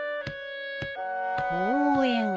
公園。